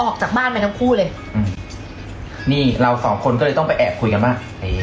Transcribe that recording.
ออกจากบ้านไปทั้งคู่เลยอืมนี่เราสองคนก็เลยต้องไปแอบคุยกันว่าเอ๊